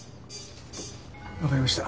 わかりました。